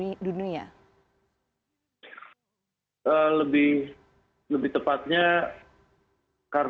dan saat itu pesan apa yang ingin disampaikan oleh kamu